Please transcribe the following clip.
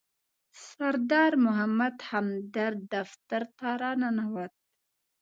سردار محمد همدرد دفتر ته راننوت.